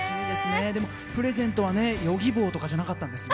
でもプレゼントはヨギボーとかじゃなかったんですね。